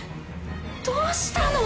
どうしたの？